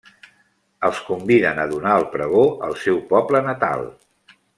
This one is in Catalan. Els conviden a donar el pregó al seu poble natal.